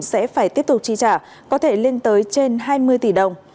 sẽ phải tiếp tục chi trả có thể lên tới trên hai mươi tỷ đồng